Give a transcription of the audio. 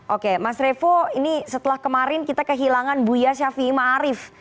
oke mas revo ini setelah kemarin kita kehilangan buya syafi'i ma'arif